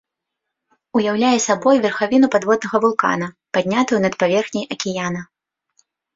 Уяўляе сабой верхавіну падводнага вулкана, паднятую над паверхняй акіяна.